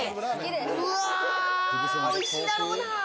おいしいだろうな。